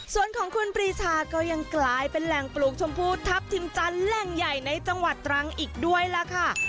ส่วนของคุณปรีชาก็ยังกลายเป็นแหล่งปลูกชมพูทัพทิมจันทร์แหล่งใหญ่ในจังหวัดตรังอีกด้วยล่ะค่ะ